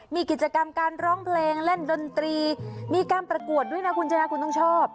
มีกิจกรรมการร้องเพลงเล่นดนตรีมีการประกวดด้วยนะคุณชนะคุณต้องชอบ